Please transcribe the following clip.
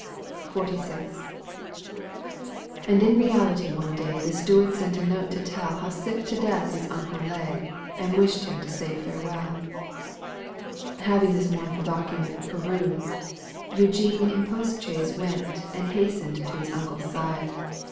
XLVI. And in reality one day / The steward sent a note to tell How sick to death his uncle lay And wished to say to him fareweU. Having this mournful document Perused, Eugene in postchaise went And hastened to his uncle's side.